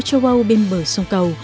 các thành phố châu âu bên bờ sông cầu